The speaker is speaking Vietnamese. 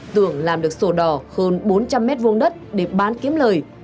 tưởng làm được sổ đỏ hơn bốn trăm linh mét vuông đất để bán kiếm lời